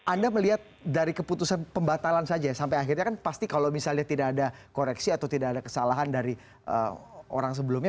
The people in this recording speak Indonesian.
anda melihat dari keputusan pembatalan saja sampai akhirnya kan pasti kalau misalnya tidak ada koreksi atau tidak ada kesalahan dari orang sebelumnya